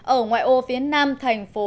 ở ngoài ô phía nam thành phố